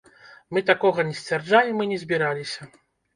Мы такога не сцвярджаем і не збіраліся.